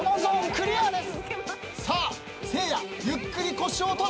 クリアです！